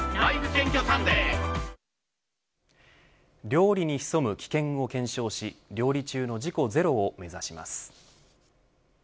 料理に潜む危険を検証し料理中の事故ゼロを目指します。